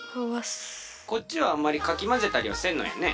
こっちはあんまりかきまぜたりはせんのやね？